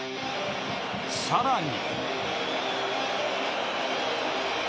更に。